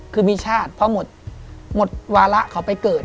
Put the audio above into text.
คือมีชาติเพราะหมดวาระเขาไปเกิด